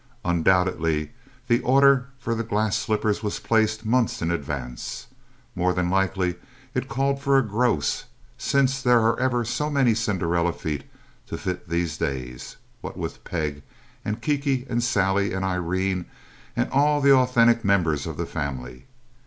Undoubtedly, the order for the glass slippers was placed months in advance. More than likely it called for a gross, since there are ever so many Cinderella feet to fit these days what with Peg and Kiki and Sally and Irene and all the authentic members of the family.